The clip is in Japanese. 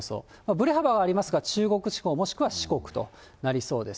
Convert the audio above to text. ぶれ幅はありますが、中国地方、もしくは四国となりそうです。